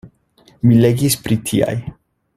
Mi legis pri tiaj.